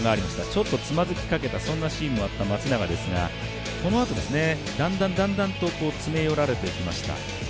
ちょっとつまずきかけたシーンもあった松永ですがこのあと、だんだんと詰め寄られてきました。